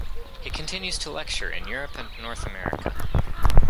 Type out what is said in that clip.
He continues to lecture in Europe and North America.